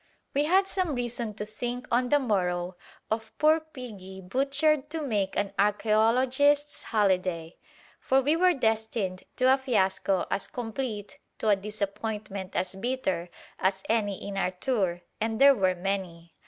We had some reason to think on the morrow of poor piggy "butchered to make an archæologists' holiday," for we were destined to a fiasco as complete, to a disappointment as bitter, as any in our tour, and there were many.